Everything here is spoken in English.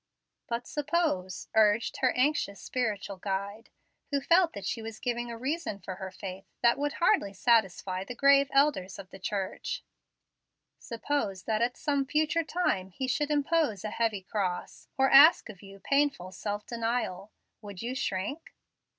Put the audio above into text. "But suppose," urged her anxious spiritual guide, who felt that she was giving a reason for her faith that would hardly satisfy the grave elders of the church, "suppose that at some future time He should impose a heavy cross, or ask of you painful self denial, would you shrink?"